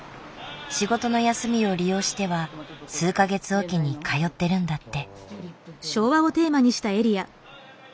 仕事の休みを利用しては数か月おきに通ってるんだって。